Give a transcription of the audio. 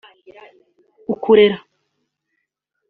ukorera